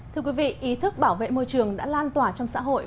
thưa quý vị ý thức bảo vệ môi trường đã lan tỏa trong xã hội